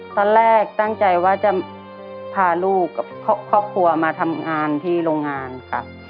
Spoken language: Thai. ตอนแรกตั้งใจว่าจะพาลูกกับครอบครัวมาทำงานที่โรงงานค่ะ